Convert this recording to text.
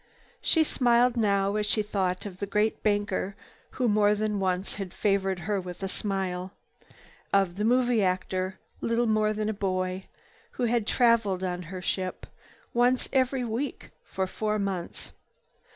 She smiled now as she thought of the great banker who more than once had favored her with a smile; of the movie actor, little more than a boy, who had traveled on her ship, once every week for four months.